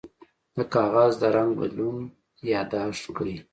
د کاغذ د رنګ بدلون یاد داشت کړئ.